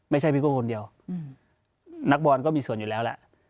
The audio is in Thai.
ไม่ใช่พี่โก้คนเดียวอืมนักบอลก็มีส่วนอยู่แล้วแล้ว